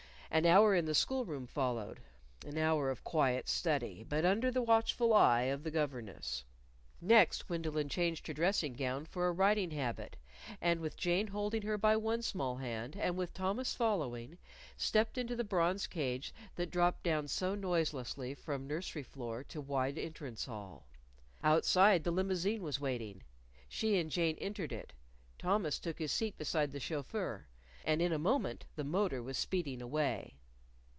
An hour in the school room followed an hour of quiet study, but under the watchful eye of the governess. Next, Gwendolyn changed her dressing gown for a riding habit, and with Jane holding her by one small hand, and with Thomas following, stepped into the bronze cage that dropped down so noiselessly from nursery floor to wide entrance hall. Outside, the limousine was waiting. She and Jane entered it. Thomas took his seat beside the chauffeur. And in a moment the motor was speeding away.